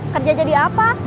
kerja jadi apa